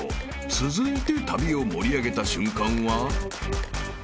［続いて旅を盛り上げた瞬間は］